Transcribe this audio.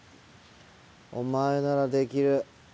お前ならできる。